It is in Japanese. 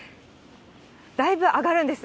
だいぶ上がるんです。